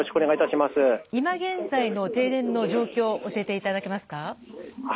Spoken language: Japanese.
今現在の停電の状況を教えていただけますか。